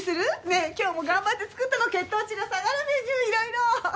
ねえ今日も頑張って作ったの血糖値が下がるメニューいろいろ。